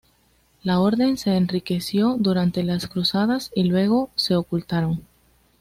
La orden se enriqueció durante las Cruzadas y luego se ocultaron.